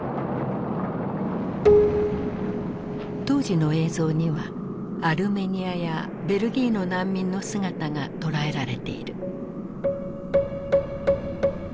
当時の映像にはアルメニアやベルギーの難民の姿が捉えられている。